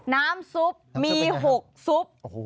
น้ำซุปมี๖ซุป